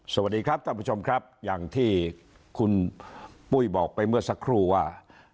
สวัสดีครับท่านผู้ชมครับอย่างที่คุณปุ้ยบอกไปเมื่อสักครู่ว่า